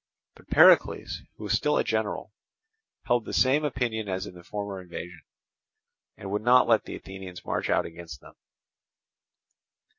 But Pericles, who was still general, held the same opinion as in the former invasion, and would not let the Athenians march out against them.